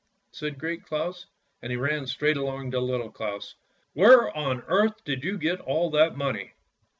" said Great Claus, and he ran straight along to Little Claus. " Where on earth did you get all that money?